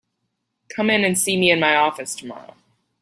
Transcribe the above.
Come in and see me in my office tomorrow.